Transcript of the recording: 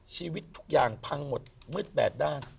ชีวิตทุกอย่างพังหมดมืดแปดด้าน